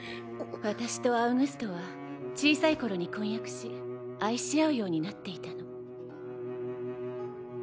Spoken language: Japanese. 私とアウグストは小さい頃に婚約し愛し合うようになっていたの。